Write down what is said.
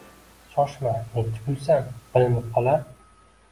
Shoshma, nechchi pulsan, bilinib qolar